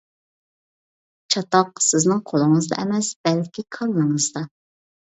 چاتاق سىزنىڭ قولىڭىزدا ئەمەس، بەلكى كاللىڭىزدا.